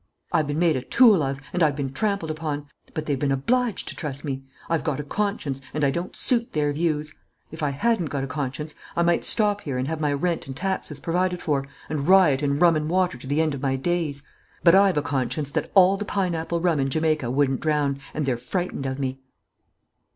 I've been made a tool of, and I've been trampled upon; but they've been obliged to trust me. I've got a conscience, and I don't suit their views. If I hadn't got a conscience, I might stop here and have my rent and taxes provided for, and riot in rum and water to the end of my days. But I've a conscience that all the pineapple rum in Jamaica wouldn't drown, and they're frightened of me."